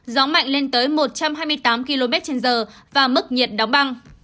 gió mạnh lên tới một trăm hai mươi tám km trên giờ và mức nhiệt đóng băng